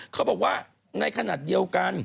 เขาบอกว่าในขณะเดียวกัน